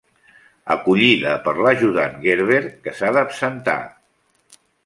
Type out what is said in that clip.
Acollida per l'ajudant Gerber, que s'ha d'absentar.